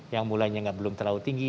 yang mulanya belum terlalu tinggi